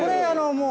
もう。